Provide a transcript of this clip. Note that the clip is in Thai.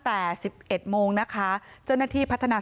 แต่สิบเอ็ดโมงนะคะเจ้าหน้าที่พัฒนา